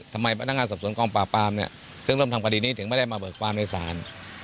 ๑ทำไมพนักงานสรรควรกล้องปลาปลามซึ่งร่วมทำควรีนี้ถึงไม่ได้มาเบิกปลาปลามในศาล